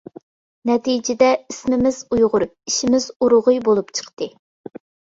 نەتىجىدە «ئىسمىمىز ئۇيغۇر، ئىشىمىز ئۇرغۇي» بولۇپ چىقتى.